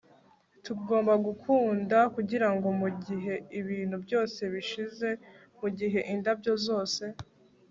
tugomba gukunda kugirango mugihe ibintu byose bishize, mugihe indabyo zose